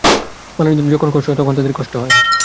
মানুষদের যখন কষ্ট হয়, তখন তাদের কষ্ট হয়।